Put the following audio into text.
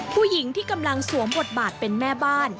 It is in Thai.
ผู้หญิงที่กำลังสวมบทบาทเป็นแม่บ้าน